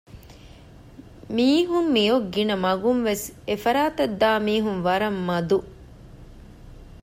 މީހުން މިއޮއް ގިނަ މަގުންވެސް އެފަރާތަށްދާ މީހުން ވަރަށް މަދު